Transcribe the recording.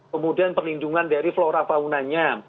kemudian perlindungan dari flora faunanya